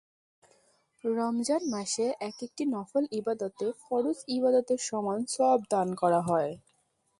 রমজান মাসে একেকটি নফল ইবাদতে ফরজ ইবাদতের সমান সওয়াব দান করা হয়।